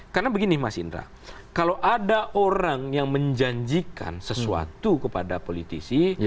karena begini mas indra kalau ada orang yang menjanjikan sesuatu kepada politisi